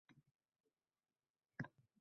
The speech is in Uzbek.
Uzoq muddatli kuzatuvchilar keldi.